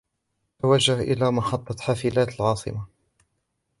توجه إلى محطة حافلات العاصمة.